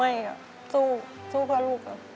ไม่อะสู้กับลูกอะ